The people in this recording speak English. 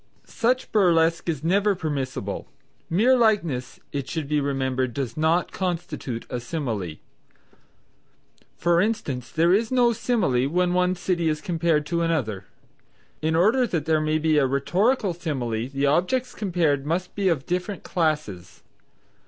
Such burlesque is never permissible. Mere likeness, it should be remembered, does not constitute a simile. For instance there is no simile when one city is compared to another. In order that there may be a rhetorical simile, the objects compared must be of different classes.